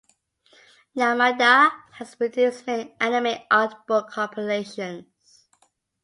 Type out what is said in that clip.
Yamada has produced many anime art book compilations.